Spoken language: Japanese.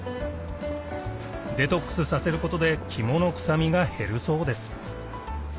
デトックスさせることで肝の臭みが減るそうです